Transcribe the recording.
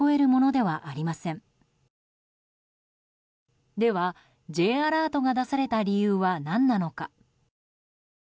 では、Ｊアラートが出された理由は何なのか。